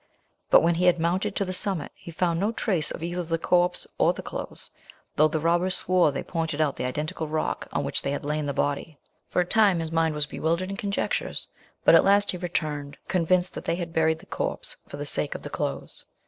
But, when he had mounted to the summit he found no trace of either the corpse or the clothes, though the robbers swore they pointed out the identical rock on which they had laid the body. For a time his mind was bewildered in conjectures, but he at last returned, convinced that they had buried the corpse for the sake of the clothes.